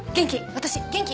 私元気。